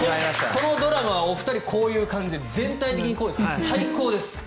このドラマお二人、こういう感じ全体的にこうですから最高です。